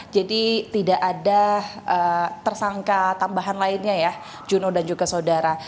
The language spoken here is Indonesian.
jadi tidak ada tersangka tambahan lainnya ya juno dan juga saudara